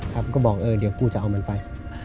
ครับก็บอกเดี๋ยวกูจะเอามันไป